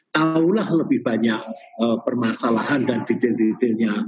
tahulah lebih banyak permasalahan dan detail detailnya